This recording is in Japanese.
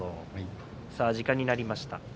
時間になりました。